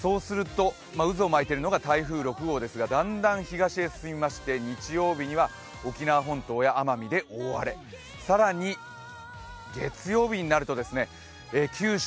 渦をまいているのが台風６号ですがだんだん東へ進みまして日曜日には沖縄本島や奄美で大荒れ、更に月曜日になると、九州